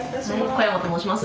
小山と申します。